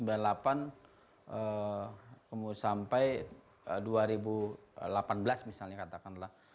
jadi misalnya katakanlah tahun seribu sembilan ratus sembilan puluh delapan sampai dua ribu delapan belas misalnya katakanlah